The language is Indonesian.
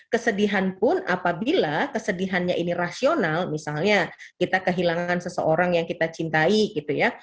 kesedihan pun apabila kesedihannya ini rasional misalnya kita kehilangan seseorang yang kita cintai gitu ya